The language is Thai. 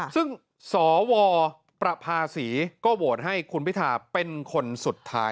ซึ่งสวประภาษีก็โหวตให้คุณพิธาเป็นคนสุดท้าย